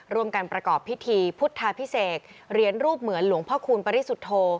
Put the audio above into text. ร่วมกันประกอบพิธีพุทธาพิเศษเหรียญรูปเหมือนหลวงพ่อคูณปริสุทธโธ